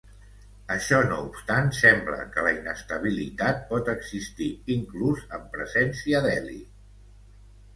Això no obstant, sembla que la inestabilitat pot existir inclús amb presència d'heli.